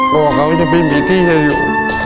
กลัวเขาจะไม่มีที่จะอยู่